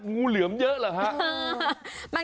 เป็นมาก